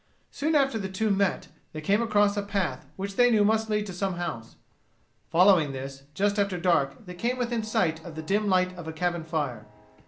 Soon after the two met they came across a path which they knew must lead to some house. Following this, just after dark they came within sight of the dim light of a cabin fire.